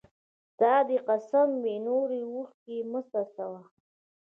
ستا! دي قسم وي نوري اوښکي مه څڅوه